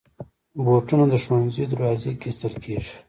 بوټونه د ښوونځي دروازې کې ایستل کېږي.